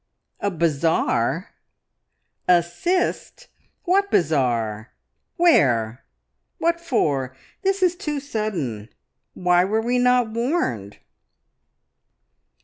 "A bazaar. Assist? What bazaar? Where? What for? This is too sudden! Why were we not warned?"